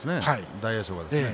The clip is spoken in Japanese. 大栄翔は。